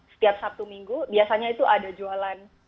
setiap sabtu minggu biasanya itu ada jualan